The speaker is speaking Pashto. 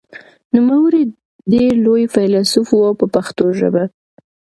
نوموړی ډېر لوی فیلسوف و په پښتو ژبه.